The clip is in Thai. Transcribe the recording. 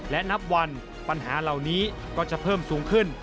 และนับวันปัญหาเหล่านี้ก็จะเพิ่มสูงขึ้น